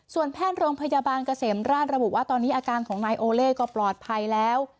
แพทย์โรงพยาบาลเกษมราชระบุว่าตอนนี้อาการของนายโอเล่ก็ปลอดภัยแล้ว